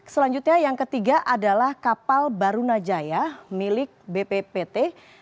selanjutnya yang ketiga adalah kapal barunajaya milik bppt